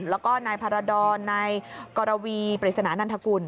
แล้วก็นายพารดรนายกรวีปริศนานันทกุล